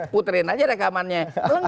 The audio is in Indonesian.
puterin aja rekamannya